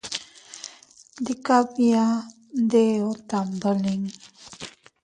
Ndika bia, ndeeo tam dolin.